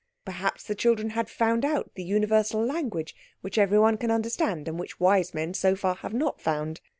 Perhaps the children had found out the universal language which everyone can understand, and which wise men so far have not found.